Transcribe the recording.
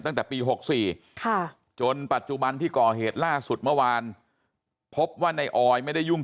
ตั้งแต่ปี๖๔จนปัจจุบันที่ก่อเหตุล่าสุดเมื่อวานพบว่าในออยไม่ได้ยุ่ง